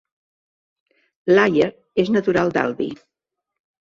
Laia és natural de l'Albi